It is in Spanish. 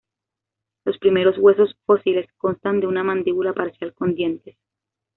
Los primeros huesos fósiles constan de una mandíbula parcial con dientes.